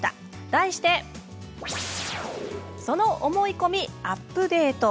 題して「その思い込みアップデート」。